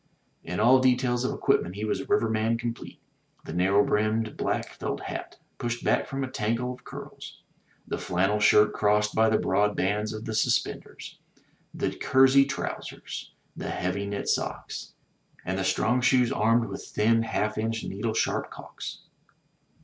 In all details of equipment he was a riverman complete; the narrow brimmqd black felt hat, pushed back from a tangle of curls; the flannel shirt crossed by the broad bands of the sus penders; the kersey trousers; the heavy knit socks; and the strong shoes armed with thin half inch needlesharp caulks.